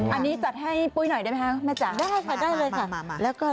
อันนี้จัดให้ปุ๊บหน่อยได้ไหมครับแม่จัง